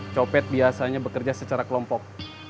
copet biasanya bekerja secara kelompok